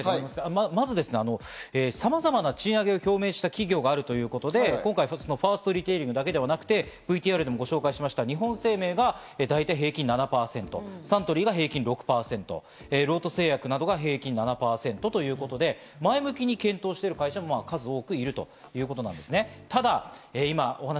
まず、さまざまな賃上げ表明をした企業があるということで、今回ファーストリテイリングだけではなくて、ＶＴＲでもご紹介した日本生命が大体平均７％、サントリーが平均６％、ロート製薬などが平均７％ということで前向きに検討している会社も数多くあるということです。